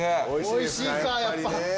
おいしいか、やっぱり。